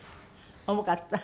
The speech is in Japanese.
重かった？